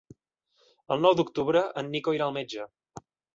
El nou d'octubre en Nico irà al metge.